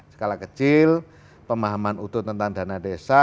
skala kecil pemahaman utuh tentang dana desa